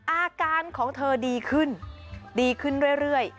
อาการของเธอดีขึ้นดีขึ้นเรื่อย